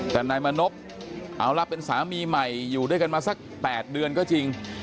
แต่นายมานพเอาละเป็นสามีใหม่อยู่ด้วยกันมาสัก๘เดือนก็จริง